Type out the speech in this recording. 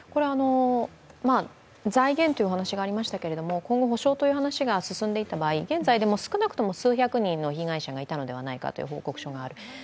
財源という話がありましたけれども、今後補償の話が進んでいく場合、現在でも少なくとも数百人の被害者がいたのではないかという報告書もある。